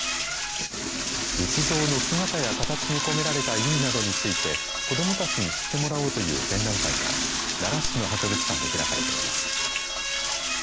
仏像の姿や形に込められた意味などについて子どもたちに知ってもらおうという展覧会が奈良市の博物館で開かれています。